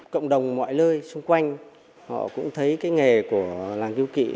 cộng đồng mọi nơi xung quanh họ cũng thấy cái nghề của làng kiêu quỵ